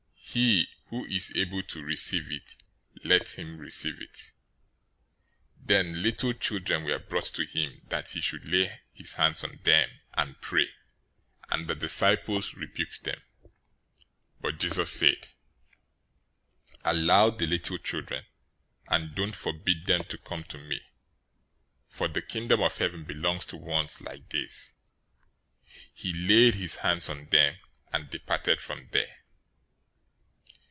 He who is able to receive it, let him receive it." 019:013 Then little children were brought to him, that he should lay his hands on them and pray; and the disciples rebuked them. 019:014 But Jesus said, "Allow the little children, and don't forbid them to come to me; for the Kingdom of Heaven belongs to ones like these." 019:015 He laid his hands on them, and departed from there.